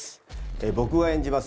僕が演じます